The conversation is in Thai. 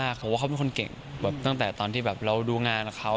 จะรู้ว่าเขาเป็นคนเก่งตั้งแต่ตอนที่เราดูงานเขา